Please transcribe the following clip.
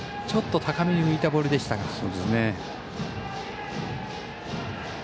ちょっと高めに浮いたボールでしたが。